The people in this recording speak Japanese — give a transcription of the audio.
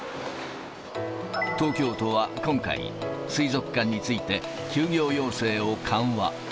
東京都は今回、水族館について、休業要請を緩和。